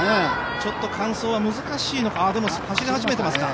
ちょっと完走は難しいのか、でも走り始めていますね。